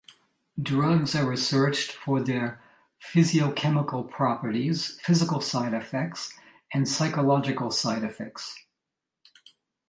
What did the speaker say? Drugs are researched for their physiochemical properties, physical side effects, and psychological side effects.